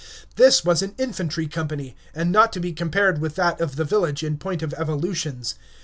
This was an infantry company, and not to be compared with that of the village in point of evolutions.